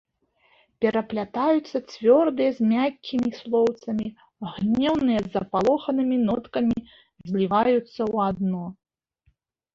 Пераплятаюцца цвёрдыя з мяккімі слоўцамі, гнеўныя з запалоханымі ноткамі зліваюцца ў адно.